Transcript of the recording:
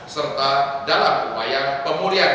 serta dalam upaya pemulihan